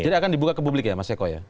jadi akan dibuka ke publik ya mas sekoyah